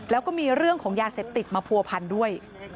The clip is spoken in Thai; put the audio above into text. แล้วก็มีเรื่องของยาเสพติดมาผัวพันด้วย